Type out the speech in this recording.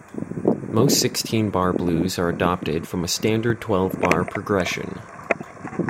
Most sixteen bar blues are adapted from a standard twelve-bar progression.